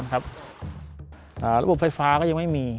ระบบไฟฟ้าก็ยังไม่มี